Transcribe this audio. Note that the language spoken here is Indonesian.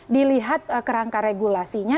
dilihat kerangka regulasinya